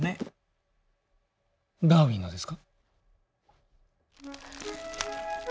ダーウィンのですか？